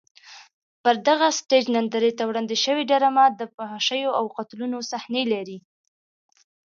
پر دغه سټېج نندارې ته وړاندې شوې ډرامه د فحاشیو او قتلونو صحنې لري.